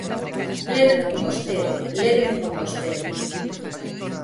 _Léveme con vostede, léveme con vostede...